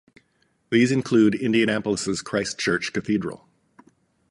These include Indianapolis's Christ Church Cathedral.